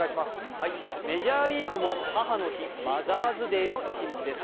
メジャーリーグも母の日、マザーズデーの一日です。